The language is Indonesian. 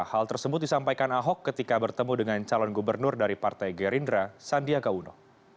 hal tersebut disampaikan ahok ketika bertemu dengan calon gubernur dari partai gerindra sandiaga uno